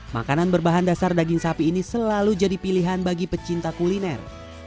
makanan berbahan dasar daging sapi ini selalu jadi pilihan bagi pecinta kuliner